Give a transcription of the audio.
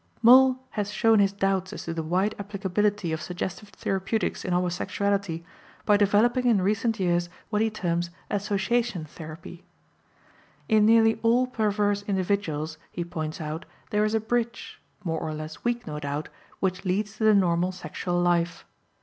Moll has shown his doubt as to the wide applicability of suggestive therapeutics in homosexuality by developing in recent years what he terms association therapy. In nearly all perverse individuals, he points out, there is a bridge, more or less weak, no doubt, which leads to the normal sexual life.